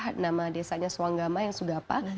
dari bawah nama desanya suanggama yang sugapa